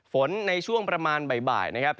ฝนในช่วงประมาณบ่ายนะครับ